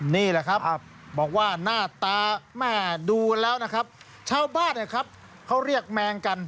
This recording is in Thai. นี่แหละครับบอกว่าหน้าตาแม่ดูแล้วนะครับชาวบ้านเนี่ยครับเขาเรียกแมงกัน